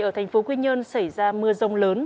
ở tp quy nhơn xảy ra mưa rông lớn